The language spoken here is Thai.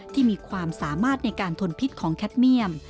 ที่มีความสามารถในการทนพิษของแคทเมี่ยม